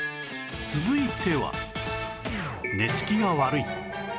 続いては